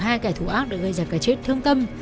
hai kẻ thù ác đã gây ra cái chết thương tâm